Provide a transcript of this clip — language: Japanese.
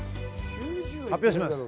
発表します。